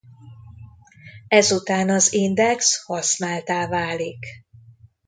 Ezután az index használttá válik.